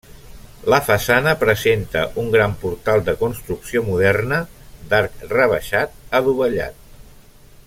La façana presenta un gran portal de construcció moderna, d'arc rebaixat adovellat.